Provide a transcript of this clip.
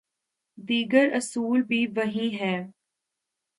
دیگر اصول بھی وہی ہیں۔